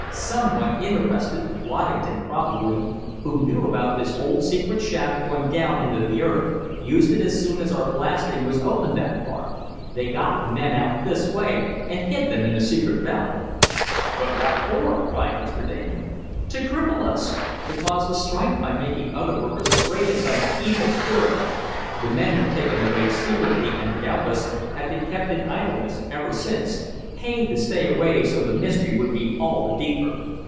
"Some one interested, Waddington probably, who knew about this old secret shaft going down into the earth, used it as soon as our blasting was opened that far. They got the men out this way, and hid them in the secret valley." "But what for?" cried Mr. Damon. "To cripple us! To cause the strike by making our other workers afraid of some evil spirit! The men were taken away secretly, and, doubtless, have been kept in idleness ever since paid to stay away so the mystery would be all the deeper.